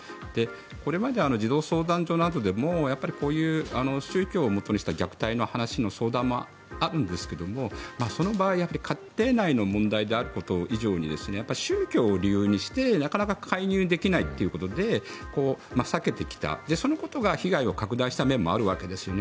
これまで児童相談所などでもこういった宗教をもとにした虐待の話の相談もあるんですけれどもその場合家庭内の問題であること以上に宗教を理由にしてなかなか介入できないということで避けてきたそのことが被害を拡大した面もあるわけですよね。